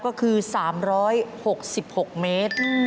ก็คือ๓๖๖เมตร